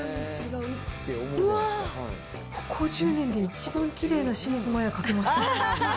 うわー、ここ１０年で一番きれいな清水麻椰書けました。